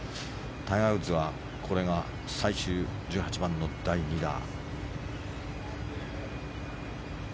タイガー・ウッズはこれが最終１８番の第２打。